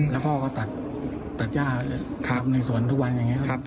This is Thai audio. แล้วพ่อก็ตัดหญ้าในสวนแบบนี้